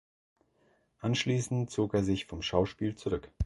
Anschließend zog er sich vom Schauspiel zurück.